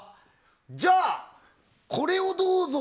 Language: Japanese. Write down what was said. じゃあ、これをどうぞ。